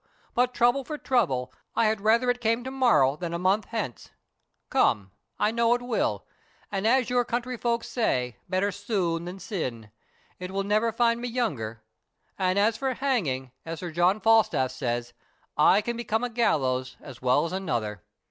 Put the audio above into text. but, trouble for trouble, I had rather it came to morrow than a month hence. COME, I know it will; and, as your country folks say, better soon than syne it will never find me younger and as for hanging, as Sir John Falstaff says, I can become a gallows as well as another.